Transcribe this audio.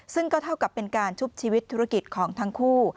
ซึ่งก็เท่ากับเป็นการชุบชีวิตธุรกิจของทั้งคู่